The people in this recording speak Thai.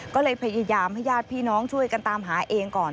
ก็เลยพยายามให้ญาติพี่น้องช่วยกันตามหาเองก่อน